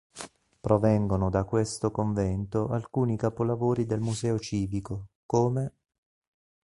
Provengono da questo convento alcuni capolavori del Museo civico, come